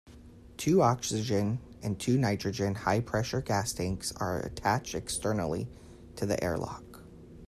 Two oxygen and two nitrogen high-pressure gas tanks are attached externally to the airlock.